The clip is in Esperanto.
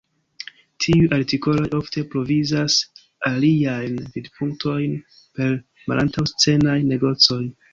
Tiuj artikoloj ofte provizas aliajn vidpunktojn per malantaŭ-scenaj negocoj.